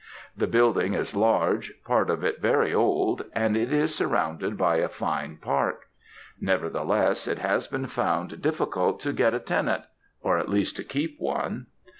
The building is large, part of it very old, and it is surrounded by a fine park; nevertheless, it has been found difficult to get a tenant or, at least, to keep one.